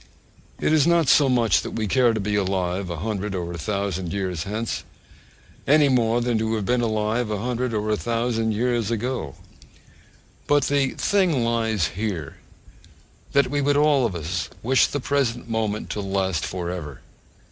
It is not so much that we care to be alive a hundred or a thousand years hence, any more than to have been alive a hundred or a thousand years ago: but the thing lies here, that we would all of us wish the present moment to last for ever.